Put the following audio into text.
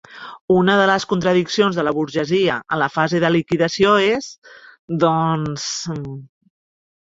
Una de les contradiccions de la burgesia en la fase de liquidació és, doncs...